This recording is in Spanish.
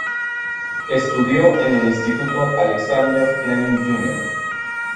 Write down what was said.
Estudió en el instituto Alexander Fleming Jr.